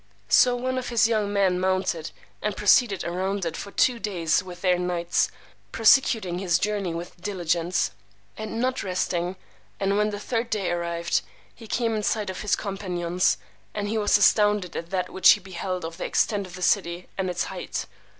So one of his young men mounted, and proceeded around it for two days with their nights, prosecuting his journey with diligence, and not resting; and when the third day arrived, he came in sight of his companions, and he was astounded at that which he beheld of the extent of the city, and its height.